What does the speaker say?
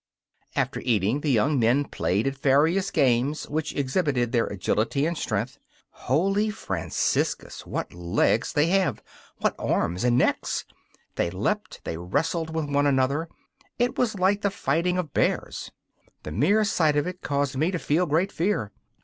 After eating, the young men played at various games which exhibited their agility and strength. Holy Franciscus! what legs they have, what arms and necks! They leapt, they wrestled with one another; it was like the fighting of bears. The mere sight of it caused me to feel great fear.